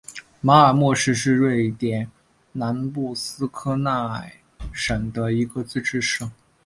马尔默市是瑞典南部斯科讷省的一个自治市。